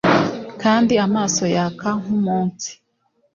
Kandi amaso yaka nkumunsi